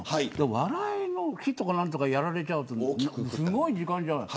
お笑いの日とか何とかやられちゃうとすごい時間じゃない。